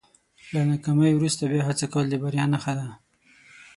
له ناکامۍ وروسته بیا هڅه کول د بریا نښه ده.